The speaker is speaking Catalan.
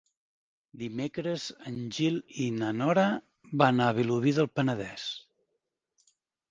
Dimecres en Gil i na Nora van a Vilobí del Penedès.